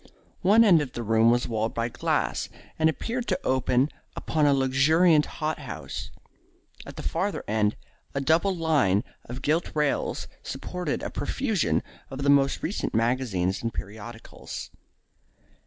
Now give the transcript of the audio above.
One end of the room was walled by glass, and appeared to open upon a luxuriant hot house. At the further end a double line of gilt rails supported a profusion of the most recent magazines and periodicals.